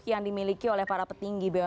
yang dimiliki oleh para petinggi bumn